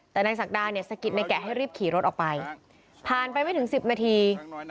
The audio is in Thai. แต่นายศักดาเนี่ยสะกิดในแกะให้รีบขี่รถออกไปผ่านไปไม่ถึง๑๐นาที